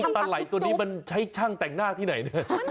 ปลาไหล่ตัวนี้ใช้ช่างแต่งหน้าที่ไหน